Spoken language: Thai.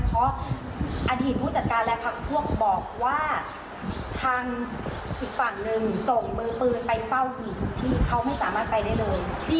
เพราะอดีตผู้จัดการและพักพวกบอกว่าทางอีกฝั่งหนึ่งส่งมือปืนไปเฝ้าอยู่ทุกที่เขาไม่สามารถไปได้เลย